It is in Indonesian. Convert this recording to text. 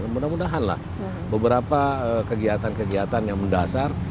mudah mudahanlah beberapa kegiatan kegiatan yang mendasar